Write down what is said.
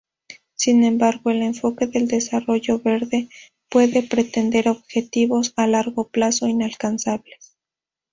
Sin embargo, el enfoque del "desarrollo verde" puede pretender objetivos a largo plazo inalcanzables.